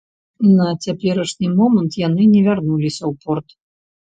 На цяперашні момант яны не вярнуліся ў порт.